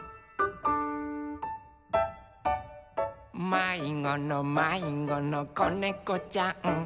「まいごのまいごのこねこちゃん」